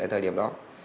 ở thời điểm đó